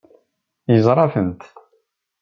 Yeẓra-tent.